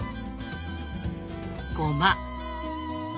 ごま。